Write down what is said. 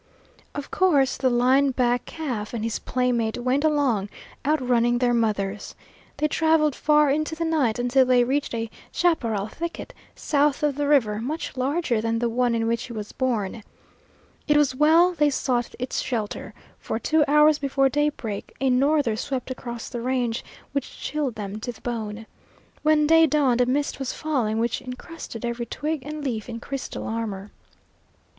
Of course the line back calf and his playmate went along, outrunning their mothers. They traveled far into the night until they reached a chaparral thicket, south of the river, much larger than the one in which he was born. It was well they sought its shelter, for two hours before daybreak a norther swept across the range, which chilled them to the bone. When day dawned a mist was falling which incrusted every twig and leaf in crystal armor.